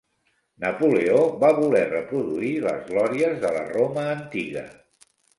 Napoleó va voler reproduir les glòries de la Roma antiga.